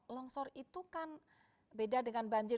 longsor itu kan beda dengan banjir